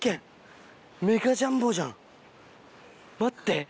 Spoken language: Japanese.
待って。